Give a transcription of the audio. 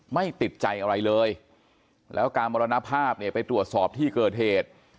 ไม่ติดใจอะไรเลยแล้วการมรณภาพเนี่ยไปตรวจสอบที่เกิดเหตุ